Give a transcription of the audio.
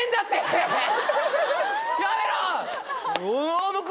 やめろ！